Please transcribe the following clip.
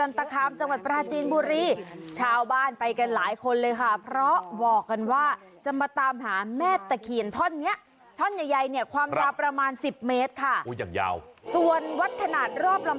อ้าวป้าทราบดังนั้นก็เลยไปจูงมือสามีไปตามหาทั่วเลยนะฮะ